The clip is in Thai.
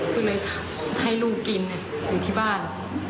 ก็เลยให้ลูกกินอยู่ที่บ้าน